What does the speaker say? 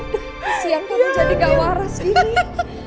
kasian kamu jadi gak marah sendiri